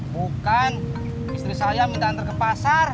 bukan istri saya minta antar ke pasar